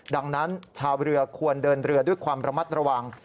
ดังนั้นชาวเรือควรเดินเรือด้วยความระมัดระวัง